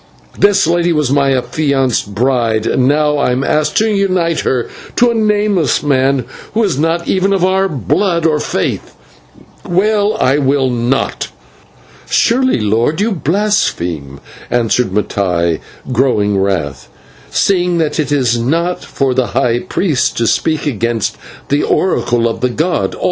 This lady was my affianced bride, and now I am asked to unite her to a nameless man who is not even of our blood or faith. Well, I will not." "Surely, lord, you blaspheme," answered Mattai, growing wrath, "seeing that it is not for the high priest to speak against the oracle of the god.